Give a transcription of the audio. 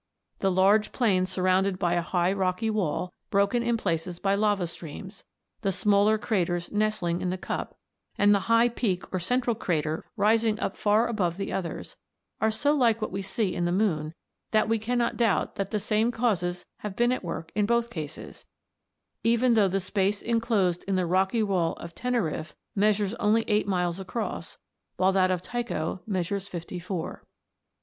The large plain surrounded by a high rocky wall, broken in places by lava streams, the smaller craters nestling in the cup, and the high peak or central crater rising up far above the others, are so like what we see on the moon that we cannot doubt that the same causes have been at work in both cases, even though the space enclosed in the rocky wall of Teneriffe measures only eight miles across, while that of Tycho measures fifty four.